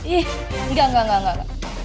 ih enggak enggak enggak